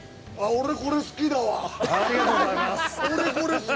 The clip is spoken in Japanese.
俺、これ好きだわ。